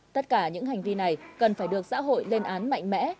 tất cả những hành vi này cần phải được xã hội lên án mạnh mẽ